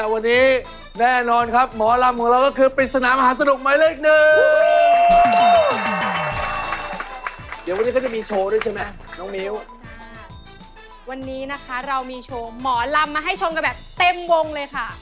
วันนี้แน่นอนครับเรามีโชว์หมอลำมาให้ชมกันแบบเต็มวงเลยค่ะ